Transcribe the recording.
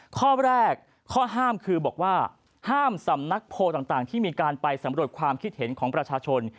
ข้อแรกข้อห้ามคือบอกว่าห้ามสำนักโพลต่างที่มีการไปสำรวจความคิดเห็นของประชาชน